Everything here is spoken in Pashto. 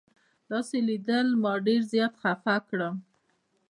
داسې لیدل ما ډېر زیات خفه کړم.